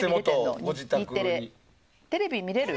テレビ見れる？